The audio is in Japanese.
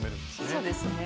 そうですね。